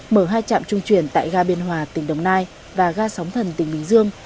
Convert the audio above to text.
mở hai trạm trung chuyển tại ga biên hòa tỉnh đồng nai và ga sóng thần tỉnh bình dương